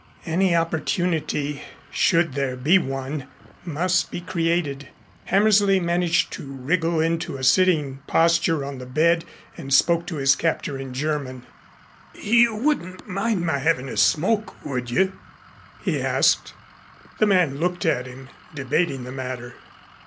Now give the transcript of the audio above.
Any opportunity, should there be one, must be created. Hammersley managed to wriggle into a sitting posture on the bed and spoke to his captor in German. "You wouldn't mind my having a smoke, would you?" he asked. The man looked at him, debating the matter.